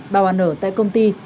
bà hoàng ở tại công ty